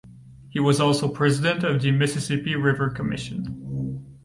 He was also President of the Mississippi River Commission.